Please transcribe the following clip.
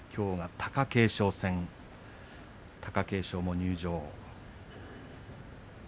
貴景勝も入場。